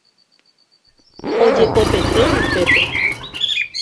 Ojepopete upépe.